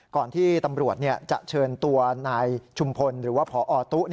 ก่อนที่ตำรวจจะเชิญตัวนายชุมพลหรือว่าพอตุ๊